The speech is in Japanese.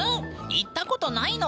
行ったことないの？